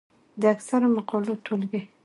د اکثرو مقالو ټولګې،